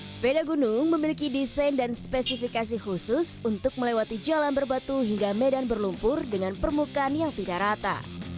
sepeda gunung memiliki desain dan spesifikasi khusus untuk melewati jalan berbatu hingga medan berlumpur dengan permukaan yang tidak rata